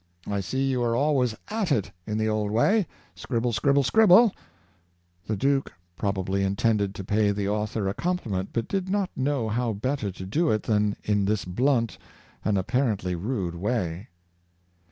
I see you are always at it in the old way — scribble^ scribble^ scribble T'' The duke probably intended to pay the author a compliment but did not know how better to do it than in this blunt and apparently rude way.